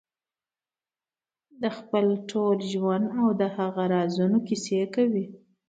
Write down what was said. د خپل ټول ژوند او د هغه رازونو کیسې کوي.